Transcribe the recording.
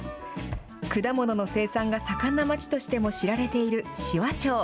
果物の生産が盛んな町としても知られている紫波町。